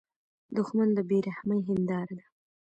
دښمن د بې رحمۍ هینداره ده